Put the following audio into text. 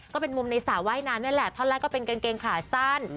ก็เป็นมุมในสระว่ายน้ำนี่แหละท่อนแรกก็เป็นกางเกงขาสั้น